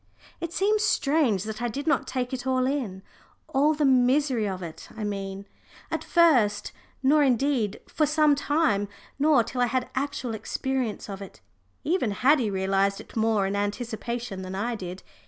It seems strange that I did not take it all in all the misery of it, I mean at first, nor indeed for some time, not till I had actual experience of it. Even Haddie realised it more in anticipation than I did.